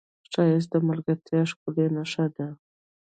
ښایست د ملګرتیا ښکلې نښه ده